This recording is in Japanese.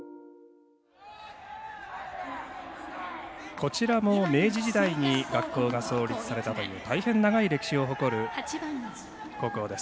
こちらも明治時代に学校が創立されたという大変長い歴史を誇る高校です。